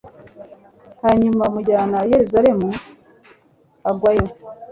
hanyuma bamujyana i yerusalemu+ agwayo